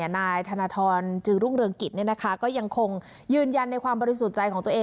นายธนทรจึงรุ่งเรืองกิจก็ยังคงยืนยันในความบริสุทธิ์ใจของตัวเอง